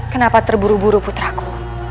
kenapa terburu buru putraku